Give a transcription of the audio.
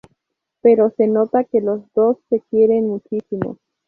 Pero se nota que los dos se quieren muchísimo.